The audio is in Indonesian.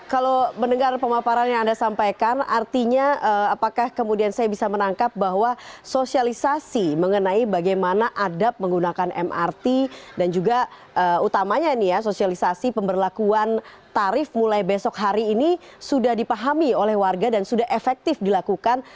kalau mendengar pemaparan yang anda sampaikan artinya apakah kemudian saya bisa menangkap bahwa sosialisasi mengenai bagaimana adab menggunakan mrt dan juga utamanya ini ya sosialisasi pemberlakuan tarif mulai besok hari ini sudah dipahami oleh warga dan sudah efektif dilakukan